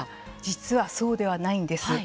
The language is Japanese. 実はそうではないんです。